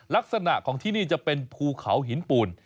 ลักษณะของที่นี่จะเป็นภูเขาหินปูน